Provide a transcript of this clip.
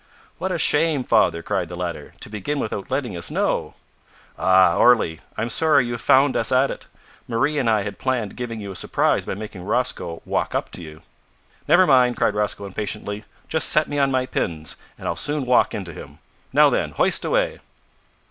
"What a shame, father," cried the latter, "to begin without letting us know!" "Ah! Orley, I'm sorry you have found us at it. Marie and I had planned giving you a surprise by making Rosco walk up to you." "Never mind," cried Rosco impatiently; "just set me on my pins, and I'll soon walk into him. Now then, hoist away!"